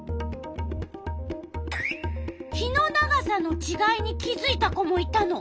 日の長さのちがいに気づいた子もいたの。